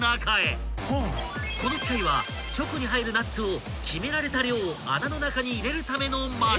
［この機械はチョコに入るナッツを決められた量穴の中に入れるためのマシン］